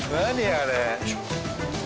あれ。